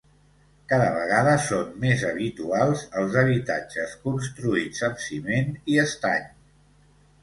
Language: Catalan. Cada vegada són més habituals els habitatges construïts amb ciment i estany.